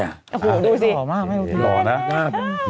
อาหูดูสิ